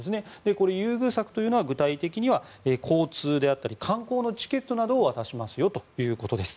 これ、優遇策というのは具体的には交通や観光のチケットなどを渡しますよということです。